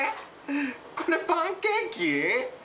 これパンケーキ？